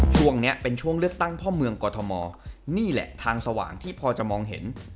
ช่วงนี้เป็นช่วงเลือกตั้งพ่อเมืองกอทมนี่แหละทางสว่างที่พอจะมองเห็น